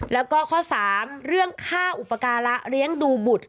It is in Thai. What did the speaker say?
แล้วก็ข้อ๓เรื่องค่าอุปการะเลี้ยงดูบุตร